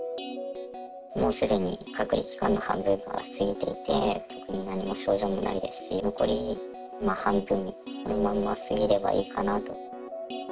もうすでに隔離期間の半分が過ぎていて、特に何も症状もないですし、残り半分、このまま過ぎればいいかなと。